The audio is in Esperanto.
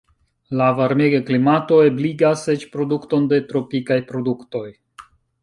La varmega klimato ebligas eĉ produkton de tropikaj produktoj.